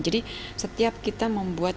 jadi setiap kita membuat